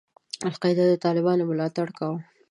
القاعدې د طالبانو ملاتړ کاوه.